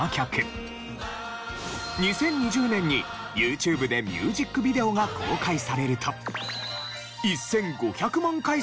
２０２０年にＹｏｕＴｕｂｅでミュージックビデオが公開されると。